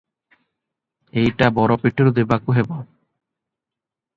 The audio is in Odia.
ଏଇଟା ବର ପିଠିରୁ ଦେବାକୁ ପଡ଼େ ।